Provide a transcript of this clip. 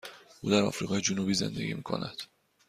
او در آفریقای جنوبی زندگی می کند.